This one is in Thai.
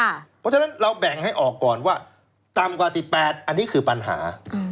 เพราะฉะนั้นเราแบ่งให้ออกก่อนว่าต่ำกว่า๑๘อันนี้คือปัญหา